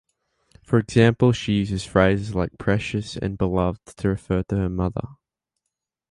For example, she uses phrases like "Precious" and "Beloved" to refer to her mother.